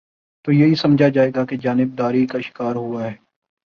تو یہی سمجھا جائے گا کہ جانب داری کا شکار ہوا ہے۔